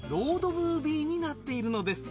ムービーになっているのです。